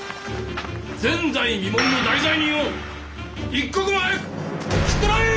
前代未聞の大罪人を一刻も早くひっ捕らえい！